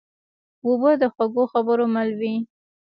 اوبه د خوږو خبرو مل وي.